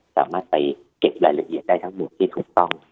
สามารถไปเก็บรายละเอียดได้ทั้งหมดที่ถูกต้อง